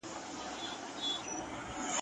هغه زه یم چي په غېږ کي افلاطون مي دی روزلی !.